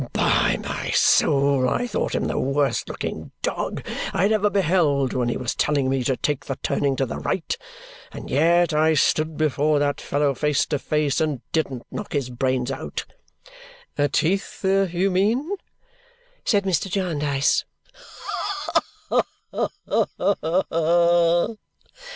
"By my soul, I thought him the worst looking dog I had ever beheld when he was telling me to take the turning to the right. And yet I stood before that fellow face to face and didn't knock his brains out!" "Teeth, you mean?" said Mr. Jarndyce.